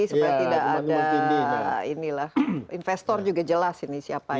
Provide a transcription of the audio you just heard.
supaya tidak ada investor juga jelas ini siapa yang